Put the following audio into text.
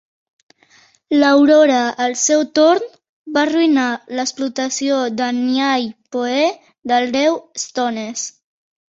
L'Aurora, al seu torn, va arruïnar l'explotació d'en Niall Poe del Déu Stones.